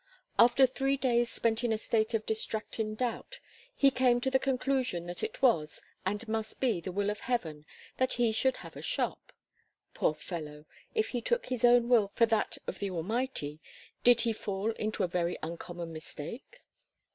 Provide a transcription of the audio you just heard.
After three days spent in a state of distracting doubt, he came to the conclusion that it was, and must be the will of Heaven that he should have a shop. Poor fellow! if he took his own will for that of the Almighty, did he fall into a very uncommon mistake?